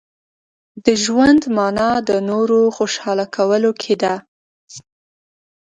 • د ژوند مانا د نورو خوشحاله کولو کې ده.